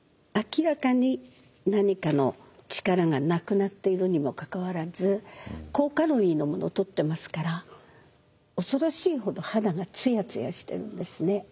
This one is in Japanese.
明らかに何かの力がなくなっているにもかかわらず高カロリーのものをとってますから恐ろしいほど肌がつやつやしてるんですね。